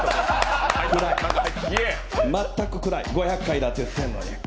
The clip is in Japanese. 全く暗い、５００回だって言ってるのに。